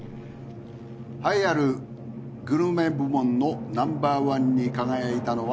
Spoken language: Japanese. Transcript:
栄えあるグルメ部門のナンバー１に輝いたのは。